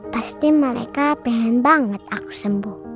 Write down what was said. pasti mereka pengen banget aku sembuh